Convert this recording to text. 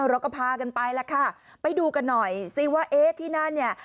เราก็พากันไปแล้วค่ะไปดูกันหน่อยสิว่าเอ๊ะที่นั่นเนี่ย